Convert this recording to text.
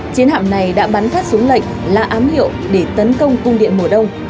chiến hạm này đã bắn phát súng lệnh là ám hiệu để tấn công cung điện mùa đông